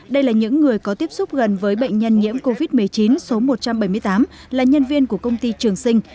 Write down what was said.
đây là những người có tiếp xúc gần với bệnh nhân nhiễm covid một mươi chín số một trăm bảy mươi tám là nhân viên của công ty trường sinh